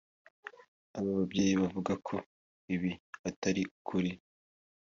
Aba babyeyi bavuga ko ibi atari ukuri